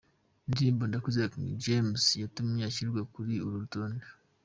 Indirimbo Ndakwizera ya King James yatumye ashyirwa kuri uru rutonde:.